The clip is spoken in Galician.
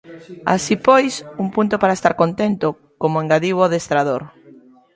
Así pois, un punto para estar contento, como engadiu o adestrador.